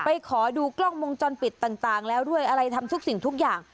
ขอดูกล้องวงจรปิดต่างแล้วด้วยอะไรทำทุกสิ่งทุกอย่าง